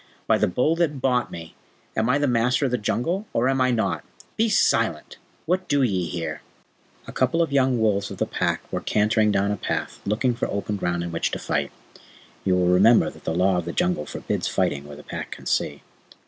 By the Bull that bought me! am I the Master of the Jungle, or am I not? Be silent! What do ye here?" A couple of young wolves of the Pack were cantering down a path, looking for open ground in which to fight. (You will remember that the Law of the Jungle forbids fighting where the Pack can see.)